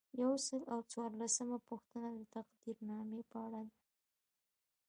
یو سل او څوارلسمه پوښتنه د تقدیرنامې په اړه ده.